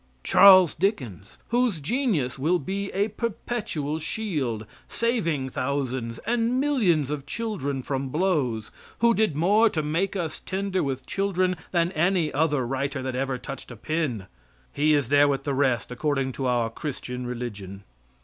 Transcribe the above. Charles Dickens, whose genius will be a perpetual shield, saving thousands and millions of children from blows, who did more to make us tender with children than any other writer that ever touched a pen he is there with the rest, according to our Christian religion.